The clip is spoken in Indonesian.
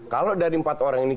kalau dari empat orang ini